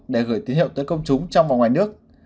để gửi tín hiệu tới công chúng trong và ngoài nước